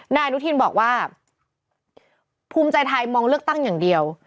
นายอนุทินบอกว่าภูมิใจไทยมองเลือกตั้งอย่างเดียว